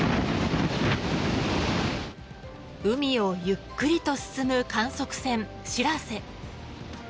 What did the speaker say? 海をゆっくりと進む観測船しらせ。